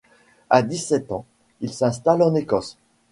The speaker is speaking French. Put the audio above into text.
À dix-sept ans, il s'installe en Écosse.